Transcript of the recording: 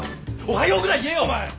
おはようぐらい言えよお前！